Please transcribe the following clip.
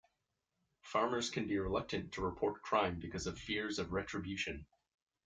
Farmers can be reluctant to report crime because of fears of retribution.